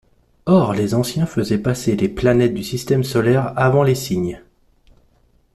Or les Anciens faisaient passer les planètes du système solaire avant les signes.